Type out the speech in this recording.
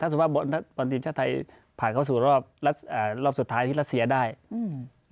ถ้าสุภาพบนธรรมชาติไทยผ่านเข้าสู่รอบรอบสุดท้ายที่รัสเสียได้อืม